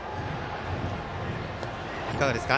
いかがですか？